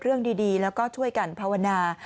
เรื่องดีแล้วก็ช่วยกันภาวนา